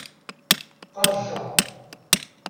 Qajjer.